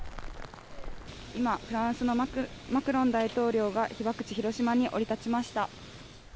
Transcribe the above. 今、フランスのマクロン大統領が被爆地広島に降り立ちました。